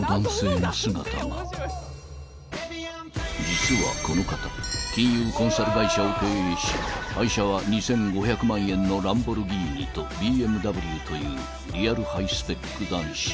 ［実はこの方金融コンサル会社を経営し愛車は２，５００万円のランボルギーニとＢＭＷというリアルハイスペック男子］